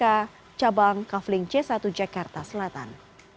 di cabang kafling c satu jakarta selatan